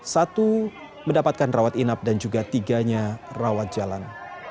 satu mendapatkan rawat inap dan juga tiganya rawat jalan